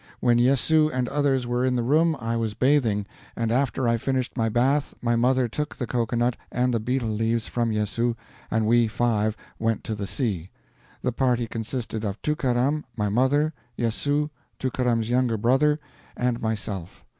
When Yessoo and others were in the room I was bathing, and, after I finished my bath, my mother took the cocoanut and the betel leaves from Yessoo, and we five went to the sea. The party consisted of Tookaram, my mother, Yessoo, Tookaram's younger brother, and myself.